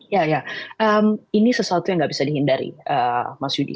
ya ya ini sesuatu yang nggak bisa dihindari mas yudi